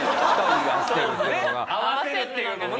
合わせるっていうのもね。